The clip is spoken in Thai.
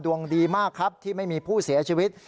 ดวงดีมากครับที่ไม่มีผู้เสียชีวิต